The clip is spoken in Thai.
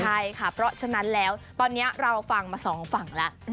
ใช่ค่ะเพราะฉะนั้นแล้วตอนนี้เราฟังมาสองฝั่งแล้ว